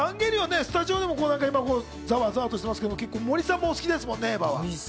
『エヴァンゲリオン』スタジオでもね、ざわざわしてますけど森さんも好きですもんね。